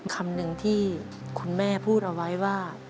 คำหนึ่งที่คุณแม่พูดเอาไว้ว่า